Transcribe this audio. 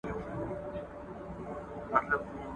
د پلرونو فکر بايد په پوره دقت وڅېړل سي.